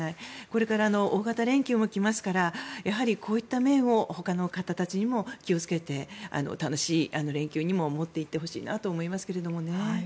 これから大型連休も来ますからやはりこういった面をほかの方たちにも気をつけて楽しい連休にしてほしいと思いますけどね。